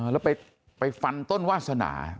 แล้วไปฟันต้นวาสนา